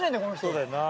そうだよな。